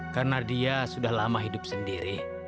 karena dia sudah lama hidup sendiri